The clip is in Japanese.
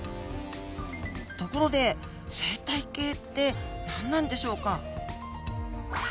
ところで生態系って何なんでしょうか？